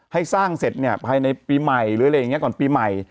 ให้สร้างเสร็จเนี่ยภายในปีใหม่หรืออะไรอย่างนี้ก่อนปีใหม่